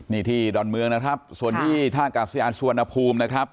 นี่ที่ดอนเมืองนะครับส่วนที่ท่ากาศยานสุวรรณภูมินะครับ